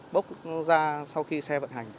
bốc nó ra sau khi xe vận hành